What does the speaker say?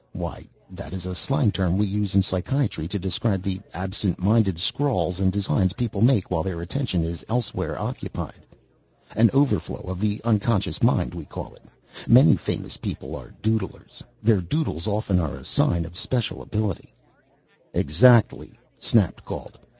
"Why that is a slang term we use in psychiatry, to describe the absent minded scrawls and designs people make while their attention is elsewhere occupied. An overflow of the unconscious mind, we call it. Many famous people are 'doodlers.' Their doodles often are a sign of special ability " "Exactly!" snapped Gault.